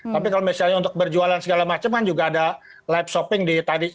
tapi kalau misalnya untuk berjualan segala macam kan juga ada live shopping di tadi